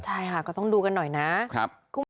ใช่ค่ะก็ต้องดูกันหน่อยนะ